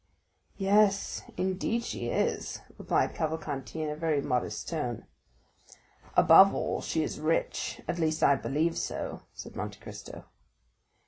"Yes, indeed she is," replied Cavalcanti, in a very modest tone. "Above all, she is very rich,—at least, I believe so," said Monte Cristo.